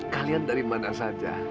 kalian dari mana saja